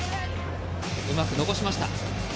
うまく残しました。